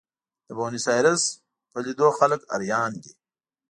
د بونیس ایرس په لیدو خلک حیران دي.